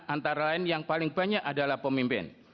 antara lain yang paling banyak adalah pemimpin